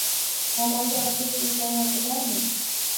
Amalga oshirish imkoniyati bormi?